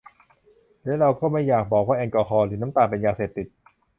แล้วเราก็ไม่อยากบอกว่าแอลกอฮอล์ หรือน้ำตาล เป็นยาเสพติด